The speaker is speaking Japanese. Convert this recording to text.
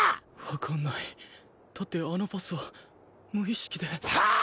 わかんないだってあのパスは無意識で。はあ！？